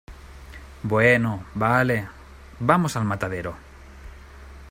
bueno, vale , vamos al matadero.